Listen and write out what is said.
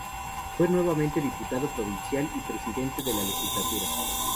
Fue nuevamente diputado provincial y presidente de la legislatura.